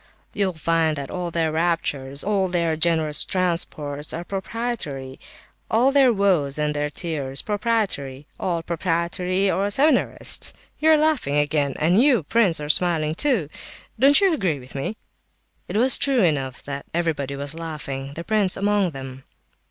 You'll find that all their raptures, all their generous transports are proprietary, all their woes and their tears, proprietary; all proprietary or seminarist! You are laughing again, and you, prince, are smiling too. Don't you agree with me?" It was true enough that everybody was laughing, the prince among them.